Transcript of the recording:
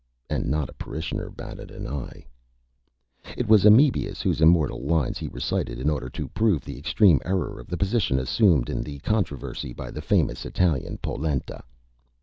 And not a Parishioner batted an Eye. It was Amebius whose Immortal Lines he recited in order to prove the Extreme Error of the Position assumed in the Controversy by the Famous Italian, Polenta.